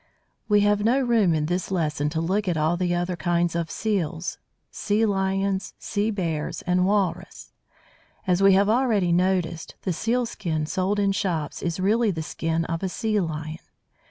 We have no room in this lesson to look at all the other kinds of Seals, Sea lions, Sea bears and Walrus. As we have already noticed, the sealskin sold in shops is really the skin of a Sea lion.